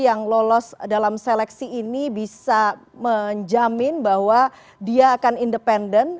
yang lolos dalam seleksi ini bisa menjamin bahwa dia akan independen